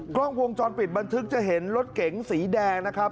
กล้องวงจรปิดบันทึกจะเห็นรถเก๋งสีแดงนะครับ